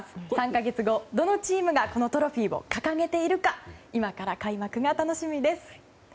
３か月後、どのチームがこのトロフィーを掲げているか今から開幕が楽しみです。